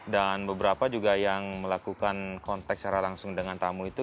dan beberapa juga yang melakukan kontak secara langsung dengan tamu itu